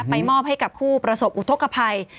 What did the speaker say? มอบให้กับผู้ประสบอุทธกภัย